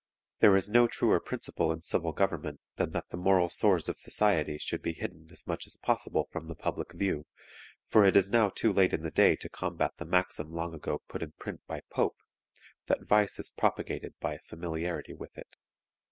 There is no truer principle in civil government than that the moral sores of society should be hidden as much as possible from the public view, for it is now too late in the day to combat the maxim long ago put in print by Pope, that vice is propagated by a familiarity with it.